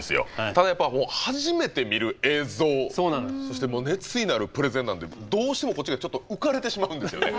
ただやっぱ初めて見る映像そして熱意のあるプレゼンなんでどうしてもこっちがちょっと浮かれてしまうんですよね。